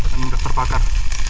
dan yang terbakar